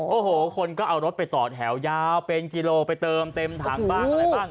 โอ้โหคนก็เอารถไปต่อแถวยาวเป็นกิโลไปเติมเต็มถังบ้างอะไรบ้าง